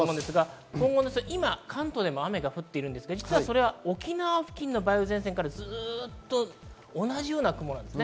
今、関東でも雨が降っていますが、それは沖縄付近の梅雨前線からずっと同じような雲です。